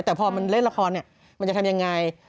แต่พอมันเล่นละครเนี่ยมันจะทำยังไง